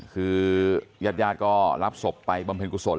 คือญาติญาติก็รับศพไปบำเพ็ญกุศล